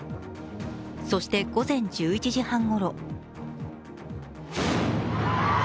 そして午前１１時半ごろ。